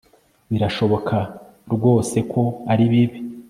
Birashoboka rwose ko ari bibi